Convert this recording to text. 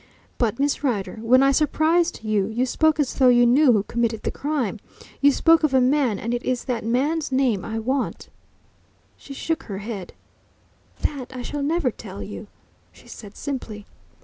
But, Miss Rider, when I surprised you, you spoke as though you knew who committed the crime. You spoke of a man and it is that man's name I want." She shook her head. "That I shall never tell you," she said simply.